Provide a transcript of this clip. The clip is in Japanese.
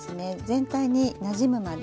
全体になじむまで。